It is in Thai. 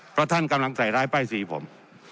เพราะท่านกำลังใส่ร้ายป้ายสีผม